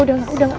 udah udah enggak